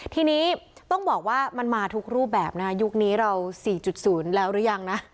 ทีนี้ต้องบอกว่ามันมาทุกรูปแบบนะยุคนี้เราสี่จุดศูนย์แล้วรึยังนะ